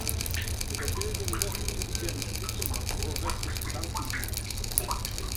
Weder Bildung noch Intelligenz schützen davor, rechtes Gedankengut zu verbreiten.